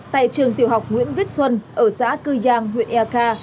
tại trường tiểu học nguyễn viết xuân ở xã cư giang huyện eka